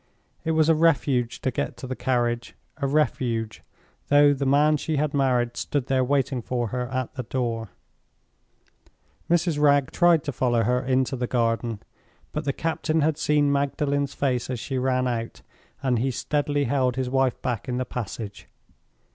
It was a refuge to get to the carriage—a refuge, though the man she had married stood there waiting for her at the door. Mrs. Wragge tried to follow her into the garden. But the captain had seen Magdalen's face as she ran out, and he steadily held his wife back in the passage.